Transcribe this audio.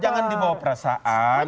jangan dibawa perasaan